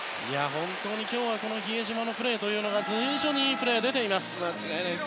本当に今日は比江島のプレーが随所にいいプレーが出ています。